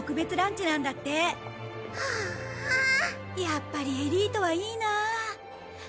やっぱりエリートはいいなあ。